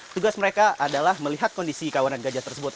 tugas mereka adalah melihat kondisi kawanan gajah tersebut